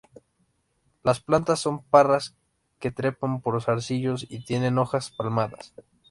Las plantas son parras que trepan por zarcillos y tienen hojas palmadas.